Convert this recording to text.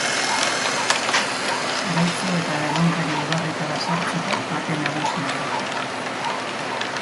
Zaraitzu eta Erronkari ibarretara sartzeko atea nagusia da.